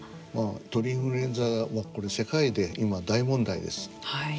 鳥インフルエンザこれは世界で今、大問題です。